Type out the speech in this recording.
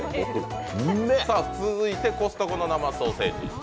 続いてコストコの生ソーセージ。